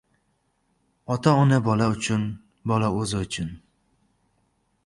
• Ota-ona bola uchun, bola o‘zi uchun.